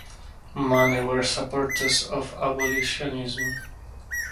Many were supporters of abolitionism.